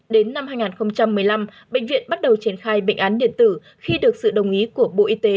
đến năm hai nghìn một mươi năm bệnh viện bắt đầu triển khai bệnh án điện tử khi được sự đồng ý của bộ y tế